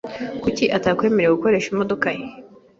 Kuki atakwemerera gukoresha imodoka ye?